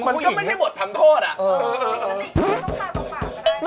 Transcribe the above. มันก็ไม่ใช่บททำโทษอ่ะ